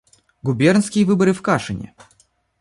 Губернские выборы в Кашине.